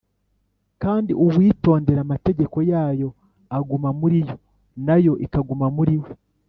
Kandi uwitondera amategeko yayo aguma muri yo na yo ikaguma muri we,